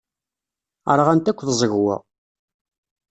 Rɣant akk tẓegwa.